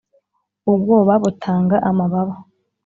ubwoba butanga amababa